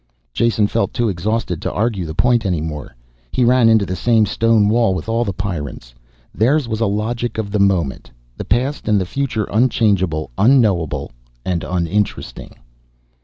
Jason felt too exhausted to argue the point any more. He ran into the same stone wall with all the Pyrrans. Theirs was a logic of the moment. The past and the future unchangeable, unknowable and uninteresting.